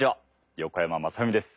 横山真史です。